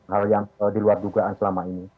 hal yang diluat juga selama ini